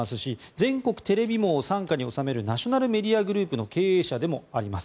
全国テレビ網を傘下に収めますナショナル・メディア・グループの経営者でもあります。